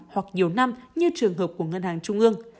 hoặc nhiều năm như trường hợp của ngân hàng trung ương